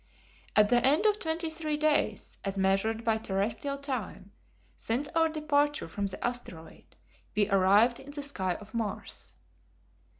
At the end of twenty three days as measured by terrestrial time, since our departure from the asteroid, we arrived in the sky of Mars.